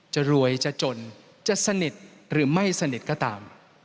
จะรวยจะจนจะสนิทหรือไม่สนิทก็ตาม